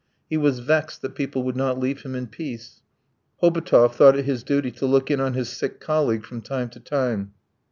He was vexed that people would not leave him in peace. Hobotov thought it his duty to look in on his sick colleague from time to time.